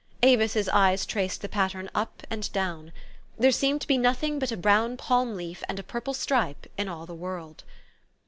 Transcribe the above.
A vis's eyes traced the pat tern up and down. There seemed to be nothing but a brown palm leaf and a purple stripe in all the world.